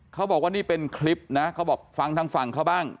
เขาบอกว่านี่เป็นคลิปนะเขาบอกฟังทางฝั่งเขาบ้าง